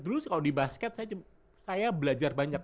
dulu sih kalau di basket saya belajar banyak